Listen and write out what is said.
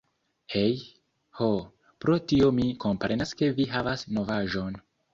Hej.... Ho, pro tio mi komprenas ke vi havas novaĵon!